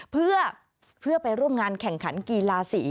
เพื่อไปร่วมงานแข่งขันกีฬาสี